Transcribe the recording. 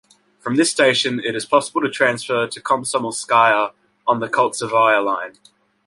From this station it is possible to transfer to Komsomolskaya on the Koltsevaya Line.